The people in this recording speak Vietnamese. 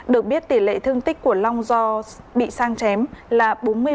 được biết tỷ lệ thương tích của long do bị sang chém là bốn mươi năm